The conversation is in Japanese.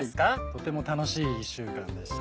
とても楽しい一週間でしたね。